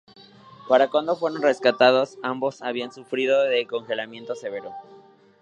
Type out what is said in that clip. Para cuando fueron rescatados, ambos habían sufrido de congelamiento severo.